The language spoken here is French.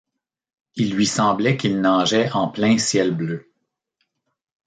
Il lui semblait qu’il nageait en plein ciel bleu.